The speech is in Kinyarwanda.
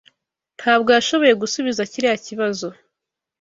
Ntabwo yashoboye gusubiza kiriya kibazo.